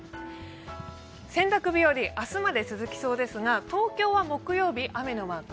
洗濯日和、明日まで続きそうですが東京は木曜日、雨のマーク。